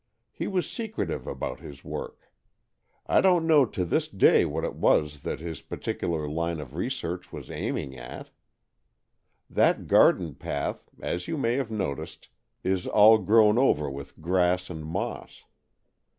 He was secretive about his work. I don't know to this day what it was that his particular line of research' was aiming at. That garden path, as you may have noticed, is all grown over with grass and moss.